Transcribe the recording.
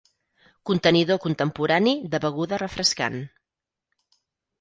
Contenidor contemporani de beguda refrescant.